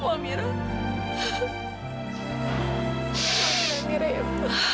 maafin amirah ibu